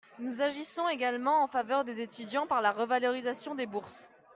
Nous agissons également en faveur des étudiants par la revalorisation des bourses.